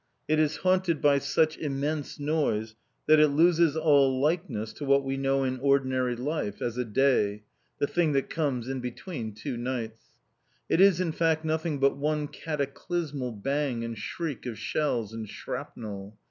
It is haunted by such immense noise that it loses all likeness to what we know in ordinary life as "a day" the thing that comes in between two nights. It is, in fact, nothing but one cataclysmal bang and shriek of shells and shrapnel.